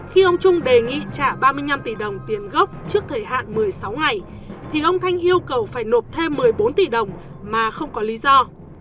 khi ông trung đề nghị trả ba mươi năm tỷ đồng tiền gốc trước thời hạn một mươi sáu ngày thì ông thanh yêu cầu phải nộp thêm một mươi bốn tỷ đồng mà không có lý do